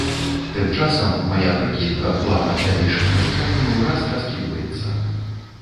Тым часам мая прыкідка, план аб далейшым навучанні ўраз раскідваецца.